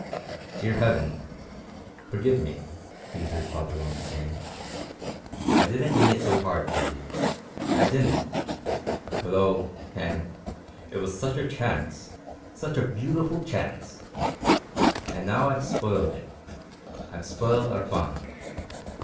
"Dear Heaven, forgive me!" he heard Father Roland saying. "I didn't mean it so hard, David I didn't! But oh, man, it was such a chance such a beautiful chance! And now I've spoiled it. I've spoiled our fun."